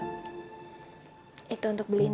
mila udah ambil seratus ribu kok